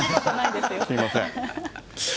すみません。